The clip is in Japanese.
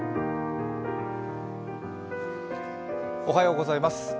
おはようございます。